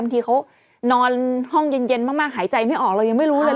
ที่เขานอนห้องเย็นมากหายใจไม่ออกเรายังไม่รู้เลย